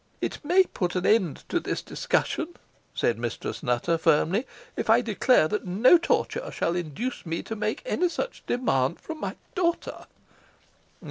"It may put an end to this discussion," said Mistress Nutter firmly, "if I declare that no torture shall induce me to make any such demand from my daughter."